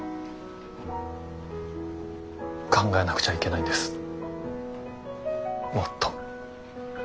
考えなくちゃいけないんですもっと。